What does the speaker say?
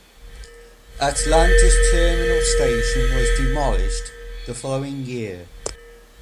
Atlanta's Terminal Station was demolished the following year.